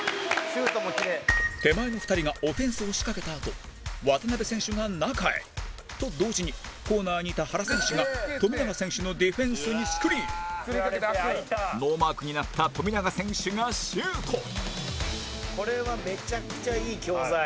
手前の２人がオフェンスを仕掛けたあと渡邊選手が中へと、同時にコーナーにいた原選手が富永選手のディフェンスにスクリーンノーマークになった富永選手がシュート井上：これはめちゃくちゃいい教材。